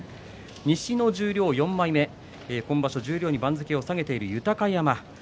西の十両４枚目、今場所は十両に番付を下げている豊山。